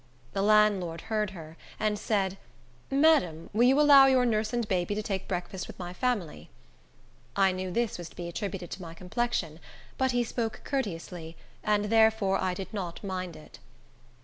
The landlord heard her, and said, "Madam, will you allow your nurse and baby to take breakfast with my family?" I knew this was to be attributed to my complexion; but he spoke courteously, and therefore I did not mind it.